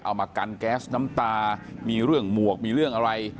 เอามากันแก๊สน้ำตามีเรื่องหมวกมีเรื่องอะไร